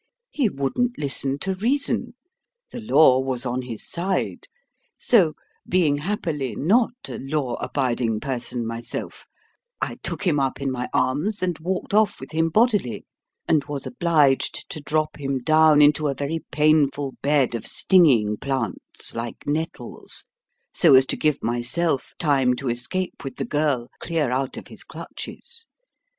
He wouldn't listen to reason; the law was on his side; so, being happily NOT a law abiding person myself, I took him up in my arms, and walked off with him bodily, and was obliged to drop him down into a very painful bed of stinging plants like nettles, so as to give myself time to escape with the girl clear out of his clutches.